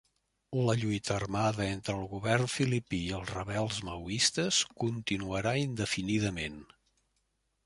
La lluita armada entre el govern filipí i els rebels maoistes continuarà indefinidament